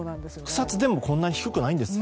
草津でもこんなに低くないんですか？